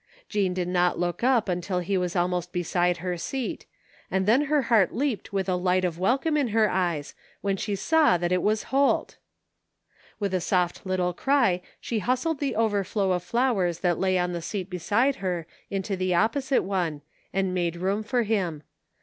Jean did not look up until he was ahnost beside her seat, and then her heart leaped with a light of wel come in her eyes, when she saw that it was Holt ! .With a soft little cry she hustled the overflow of flowers that lay on the seat beside her into the opposite one and made room for him.